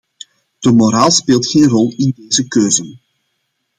De moraal speelt geen rol in deze keuzen.